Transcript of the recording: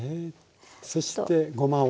そしてごまを。